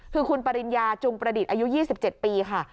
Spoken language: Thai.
คือคุณปริญญาจุงประดิษฐ์อายุ๒๗ปีค่ะ